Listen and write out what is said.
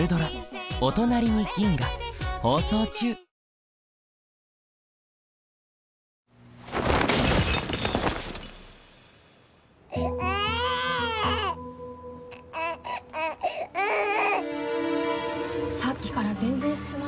放送中さっきから全然進まないね。